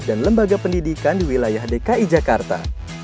dan lembaga pendidikan di wilayah dki jakarta